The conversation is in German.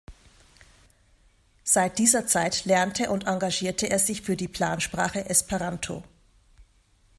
Seit dieser Zeit lernte und engagierte er sich für die Plansprache Esperanto.